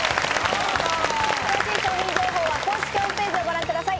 詳しい商品情報は公式ホームページをご覧ください。